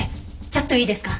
ちょっといいですか？